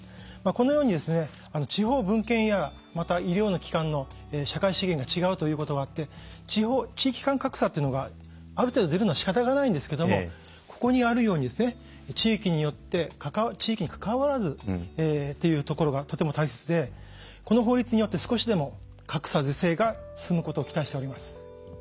このように地方分権やまた医療の機関の社会資源が違うということがあって地域間格差というのがある程度出るのはしかたがないんですけどもここにあるように地域にかかわらずっていうところがとても大切でこの法律によって少しでも格差是正が進むことを期待しております。